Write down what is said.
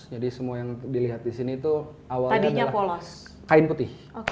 jadi semua yang dilihat di sini itu awalnya adalah kain putih